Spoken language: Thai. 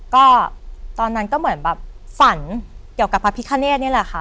ก็ตอนนั้นก็เหมือนแบบฝันเกี่ยวกับพระพิคเนธนี่แหละค่ะ